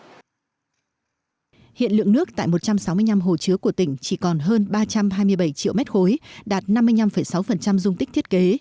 hiện lượng nước tại một trăm sáu mươi năm hồ chứa của tỉnh chỉ còn hơn ba trăm hai mươi bảy triệu mét khối đạt năm mươi năm sáu dung tích thiết kế